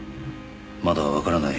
まだわからない。